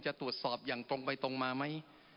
จะตรวจสอบอย่างตรงไปตรงมาไหม